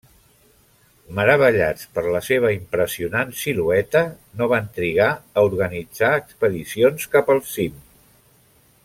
Meravellats per la seva impressionant silueta, no van trigar a organitzar expedicions cap al cim.